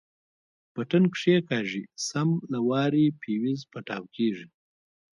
بټن کښېکاږي سم له وارې فيوز پټاو کېږي.